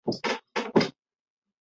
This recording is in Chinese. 于是清廷分土尔扈特为新旧二部。